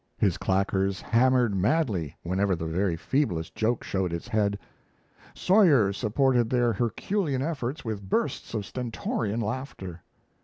His claquers hammered madly whenever the very feeblest joke showed its head. Sawyer supported their herculean efforts with bursts of stentorian laughter.